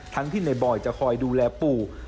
ทั้งที่ในบอยจะคอยดูแลปู่